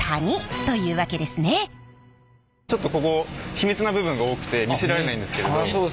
ちょっとここ秘密な部分が多くて見せられないんですけど。